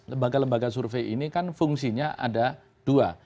lembaga lembaga survei ini kan fungsinya ada dua